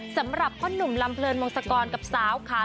สำหรับพ่อหนุ่มลำเลินวงศกรกับสาวขา